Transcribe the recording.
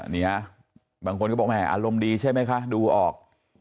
บางคนก็บอกแม่อารมณ์ดีใช่ไหมคะดูออก